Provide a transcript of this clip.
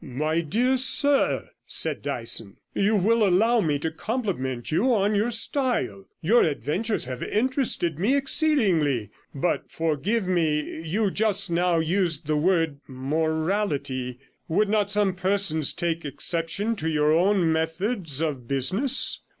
'My dear sir,' said Dyson, 'you will allow me to compliment you on your style; your adventures have interested me exceedingly. But, forgive me, you just now used the word morality; would not some persons take exception to your own methods of business?